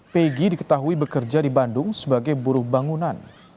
pegi diketahui bekerja di bandung sebagai buruh bangunan